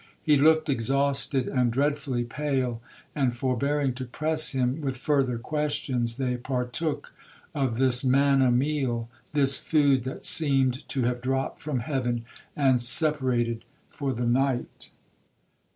He looked exhausted and dreadfully pale,—and, forbearing to press him with further questions, they partook of this manna meal,—this food that seemed to have dropped from heaven, and separated for the night.